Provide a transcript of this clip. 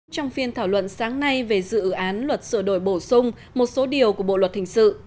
trong phiên thảo luận sáng nay về dự án luật sửa đổi bổ sung một số điều của bộ luật hình sự